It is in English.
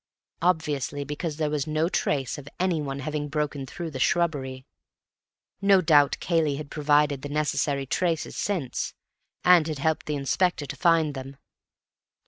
Obviously because there was no trace of anyone having broken through the shrubbery. No doubt Cayley had provided the necessary traces since, and had helped the Inspector to find them.